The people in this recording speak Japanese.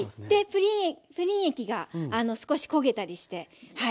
プリン液があの少し焦げたりしてはい。